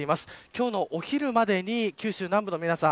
今日のお昼までに九州南部の皆さん